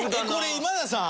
今田さん？